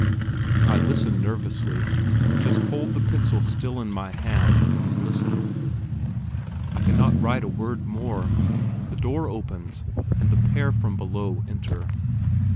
I listen nervously, just hold the pencil still in my hand, and listen. I cannot write a word more. The door opens and the pair from below enter.